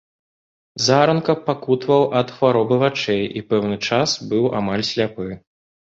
Заранка пакутаваў ад хваробы вачэй і пэўны час быў амаль сляпы.